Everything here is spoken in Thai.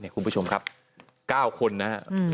คุณผู้ชมครับ๙คนนะครับ